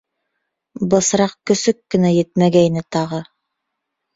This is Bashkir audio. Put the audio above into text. Бысраҡ көсөк кенә етмәгәйне тағы!